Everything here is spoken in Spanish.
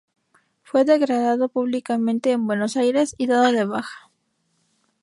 Fue degradado públicamente en Buenos Aires y dado de baja.